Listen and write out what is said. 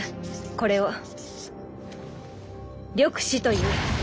これを緑死という。